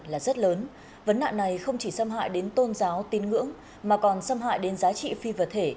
là rất lớn vấn nạn này không chỉ xâm hại đến tôn giáo tín ngưỡng mà còn xâm hại đến giá trị phi vật thể